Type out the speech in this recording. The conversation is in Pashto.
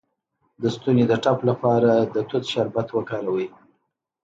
د ستوني د ټپ لپاره د توت شربت وکاروئ